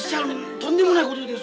とんでもないことです。